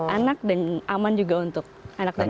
anak dan aman juga untuk anak anak ibu